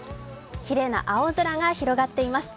きれいな青空が広がっています。